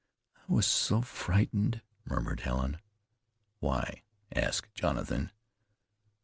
"I was so frightened," murmured Helen. "Why?" asked Jonathan.